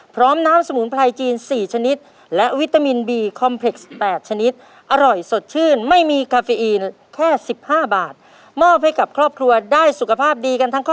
พร้อมน้ำสมุนไพรจีน๔ชนิดและวิตามินบีคอมเพล็กซ์๘ชนิด